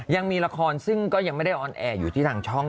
ยังมีละครซึ่งก็ยังไม่ได้ออนแอร์อยู่ที่ทางช่อง